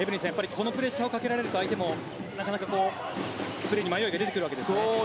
このプレッシャーをかけられると相手もなかなかプレーに迷いが出てくるわけですね。